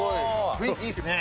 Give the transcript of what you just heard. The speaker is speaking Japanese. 雰囲気いいですね。